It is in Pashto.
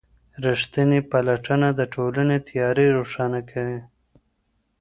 ریښتینې پلټنه د ټولني تیارې روښانه کوي.